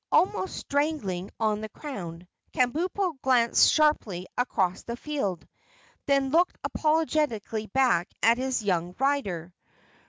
Almost strangling on the crown, Kabumpo glanced sharply across the field, then looked apologetically back at his young rider.